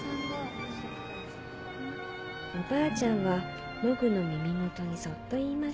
「おばあちゃんはモグのみみもとにそっといいました。